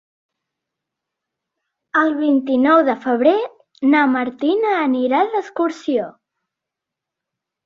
El vint-i-nou de febrer na Martina anirà d'excursió.